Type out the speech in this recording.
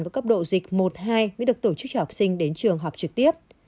và cấp độ dịch một hai mới được tổ chức cho học sinh đến trường học trực tiếp